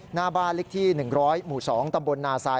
หน้าบ้านเล็กที่๑๐๐หมู่๒ตำบลนาซาย